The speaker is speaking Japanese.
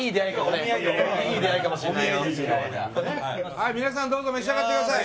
はい皆さんどうぞ召し上がってください。